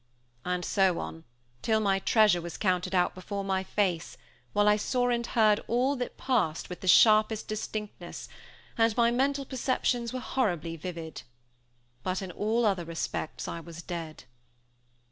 And so on, till my treasure was counted out before my face, while I saw and heard all that passed with the sharpest distinctness, and my mental perceptions were horribly vivid. But in all other respects I was dead.